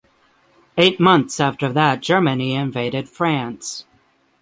Eight months after that Germany invaded France.